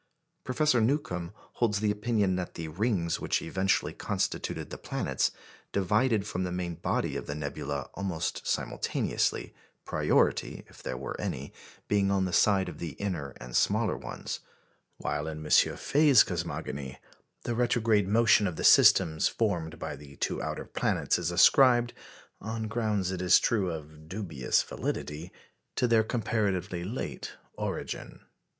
Professor Newcomb holds the opinion that the rings which eventually constituted the planets divided from the main body of the nebula almost simultaneously, priority, if there were any, being on the side of the inner and smaller ones; while in M. Faye's cosmogony, the retrograde motion of the systems formed by the two outer planets is ascribed on grounds, it is true, of dubious validity to their comparatively late origin.